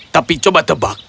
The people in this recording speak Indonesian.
tapi coba tebak